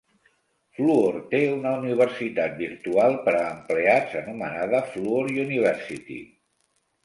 Fluor té una universitat virtual per a empleats anomenada Fluor University.